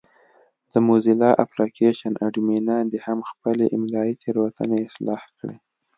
د موزیلا اپلېکشن اډمینان دې هم خپلې املایي تېروتنې اصلاح کړي.